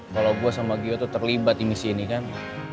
kalau gue sama gio itu terlibat di misi ini kan